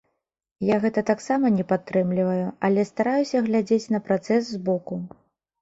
Я гэта таксама не падтрымліваю, але стараюся глядзець на працэс з боку.